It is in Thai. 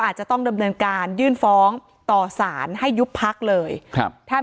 อาจจะต้องดำเนินการยื่นฟ้องต่อสารให้ยุบพักเลยครับถ้า